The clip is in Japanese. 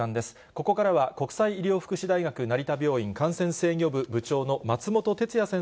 ここからは国際医療福祉大学成田病院感染制御部部長の松本哲哉先